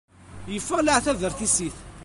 Yeffeɣ leεtab ar tissit.